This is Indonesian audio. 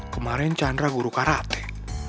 kemarin chandra guru karate